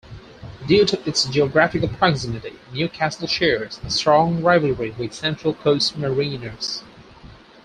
Due to its geographical proximity, Newcastle shares a strong rivalry with Central Coast Mariners.